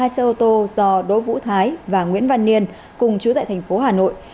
hai xe ô tô do đỗ vũ thái và nguyễn văn niên cùng chú tại thành phố hà nội